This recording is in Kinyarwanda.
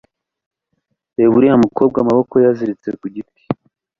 reba uriya mukobwa amaboko ye aziritse kugiti